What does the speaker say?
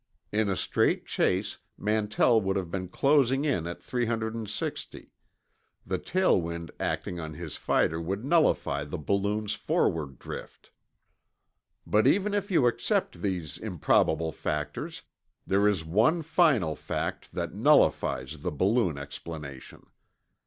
In a straight chase, Mantell would have been closing in at 360; the tail wind acting on his fighter would nullify the balloon's forward drift. But even if you accept these improbable factors, there is one final fact that nullifies the balloon explanation.